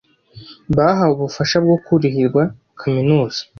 bahawe ubufasha bwo kurihirwa kaminuza